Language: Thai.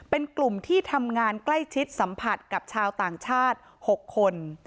เป็นกลุ่มที่ทำงานใกล้ชิดสัมผัสกับชาวต่างชาติ๖คน